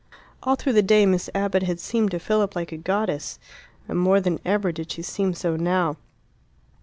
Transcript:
All through the day Miss Abbott had seemed to Philip like a goddess, and more than ever did she seem so now.